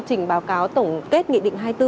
trình báo cáo tổng kết nghị định hai mươi bốn